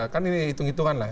kan ini hitung hitungan lah